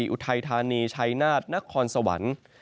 อุทัยธานีชัยนาฏนครสวรรค์